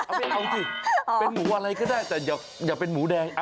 เอาไม่เอาสิเป็นหมูอะไรก็ได้แต่อย่าเป็นหมูแดง